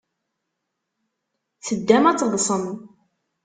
Teddam ad teḍḍsem.